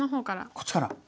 こっちから？